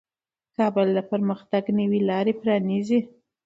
کار د پرمختګ نوې لارې پرانیزي